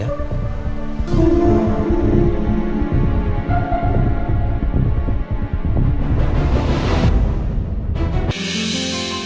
sampai jumpa lagi